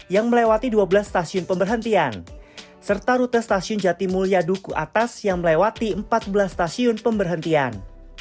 yang melewati dua belas stasiun pemberhentian serta rute stasiun jatimulya duku atas yang melewati empat belas stasiun pemberhentian